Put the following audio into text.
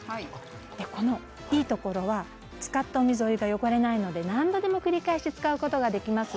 このいいところは使ったお水お湯が汚れないので何度でも繰り返し使うことができます。